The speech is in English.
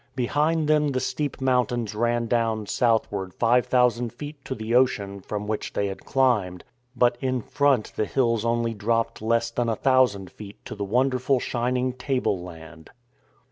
Behind them the steep mountains ran down southward five thousand feet to the ocean from which they had climbed; but in front the hills only dropped less than a thousand feet to the wonderful shining tableland.